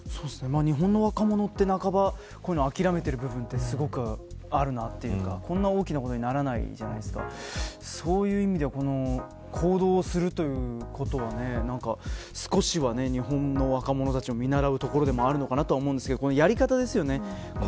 日本の若者は、半ば諦めている部分はあるというかこんな大きなことにならないじゃないですか。そういう意味では行動するということは少しは日本の若者たちも見習うところがあると思いますがやり方ですよね。